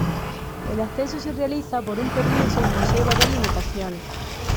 El acceso se realiza por un permiso y posee varias limitaciones.